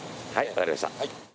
・分かりました。